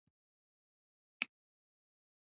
له هندوکش هاخوا الخون هونيان واکمن وو